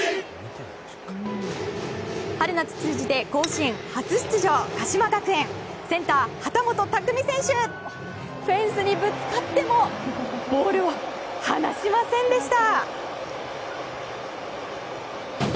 春夏通じて甲子園初出場、鹿島学園センター、畑本拓海選手フェンスにぶつかってもボールを離しませんでした。